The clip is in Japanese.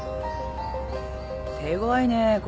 手ごわいねこれは。